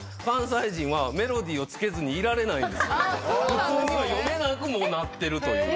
普通には読めなくなってるという。